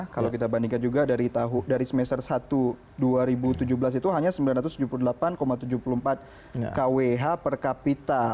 kalau kita bandingkan juga dari semester satu dua ribu tujuh belas itu hanya sembilan ratus tujuh puluh delapan tujuh puluh empat kwh per kapita